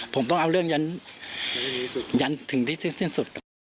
ผมต้องเอาเรื่องยันถึงที่สิ้นสุด